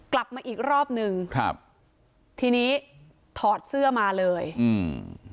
กลับมาอีกรอบหนึ่งครับทีนี้ถอดเสื้อมาเลยอืม